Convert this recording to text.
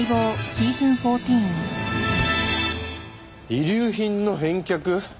遺留品の返却。